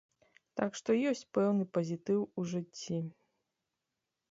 Так што ёсць пэўны пазітыў у жыцці.